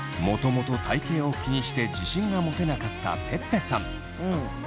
もともと体型を気にして自信が持てなかったぺっぺさん。